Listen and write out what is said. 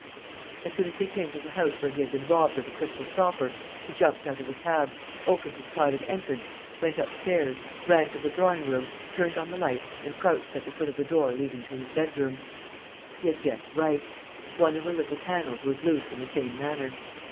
As soon as they came to the house where he had been robbed of the crystal stopper, he jumped out of the cab, opened his private entrance, went upstairs, ran to the drawing room, turned on the light and crouched at the foot of the door leading to his bedroom. He had guessed right. One of the little panels was loosened in the same manner.